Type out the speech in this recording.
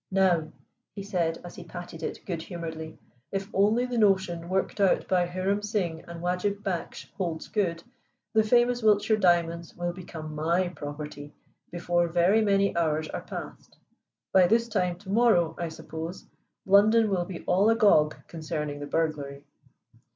"Now," he said as he patted it good humoredly, "if only the notion worked out by Hiram Singh and Wajib Baksh holds good, the famous Wiltshire diamonds will become my property before very many hours are passed. By this time to morrow, I suppose, London will be all agog concerning the burglary."